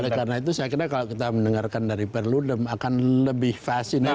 oleh karena itu saya kira kalau kita mendengarkan dari perludem akan lebih fashina